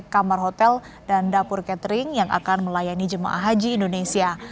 kamar hotel dan dapur catering yang akan melayani jemaah haji indonesia